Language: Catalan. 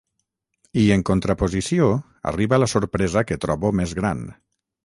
I, en contraposició, arriba la sorpresa que trobo més gran.